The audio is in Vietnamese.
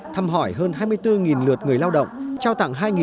thăm hỏi hơn hai mươi bốn lượt người lao động